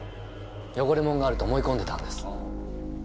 汚れ物があると思い込んでたんです。